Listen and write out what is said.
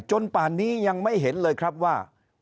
ป่านนี้ยังไม่เห็นเลยครับว่า